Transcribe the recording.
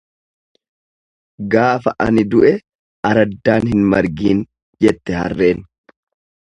Gaafa ani du'e araddaan hin margiin, jette harreen.